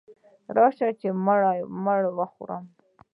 راشئ مړې وخورئ.